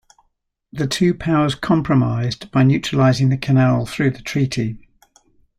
The two powers compromised by neutralizing the canal through the treaty.